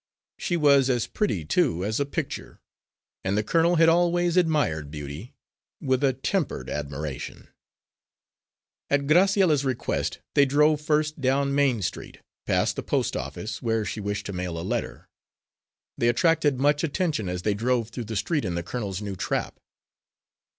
She was as pretty, too, as a picture, and the colonel had always admired beauty with a tempered admiration. At Graciella's request they drove first down Main Street, past the post office, where she wished to mail a letter. They attracted much attention as they drove through the street in the colonel's new trap.